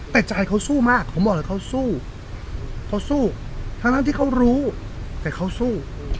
แต่ใจเขาสู้มากผมบอกเลยเขาสู้เขาสู้ทั้งที่เขารู้แต่เขาสู้